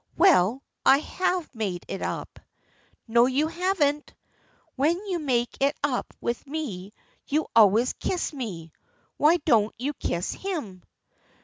"Well, I have made it up." "No, you haven't! When you make it up with me you always kiss me! Why don't you kiss him?"